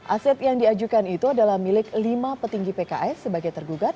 aset yang diajukan itu adalah milik lima petinggi pks sebagai tergugat